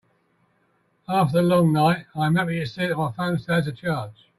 After the long night, I am happy to see that my phone still has a charge.